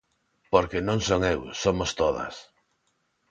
Porque non son eu, somos todas.